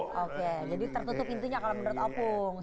oke jadi tertutup pintunya kalau menurut opung